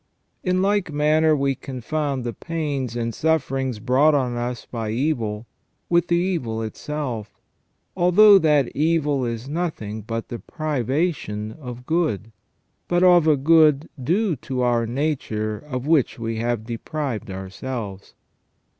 In like manner we confound the pains and sufferings brought on us by evil with the evil itself, although that evil is nothing but the privation of good, but of a good due to our nature of which we have deprived our selves.